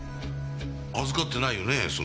預かってないよねえ